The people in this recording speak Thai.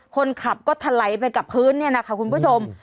คนขับก็ถลายไปกับพื้นเนี่ยนะคะคุณผู้ชม